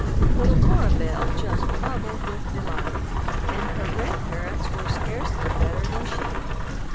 Little Cora Belle just bubbled with delight, and her grandparents were scarcely better than she.